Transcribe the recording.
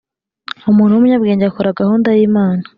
umuntu w'umunyabwenge akora gahunda y'imana